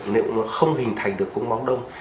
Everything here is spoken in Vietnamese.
nếu mà không hình thành được cục máu đông